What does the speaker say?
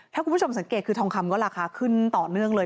ถ้าคุณผู้ชมสังเกตคือทองคำก็ราคาขึ้นต่อเนื่องเลย